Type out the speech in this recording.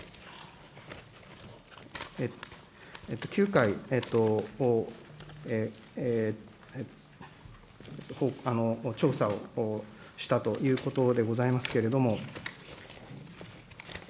９回、調査をしたということでございますけれども。